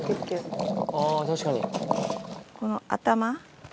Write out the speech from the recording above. この頭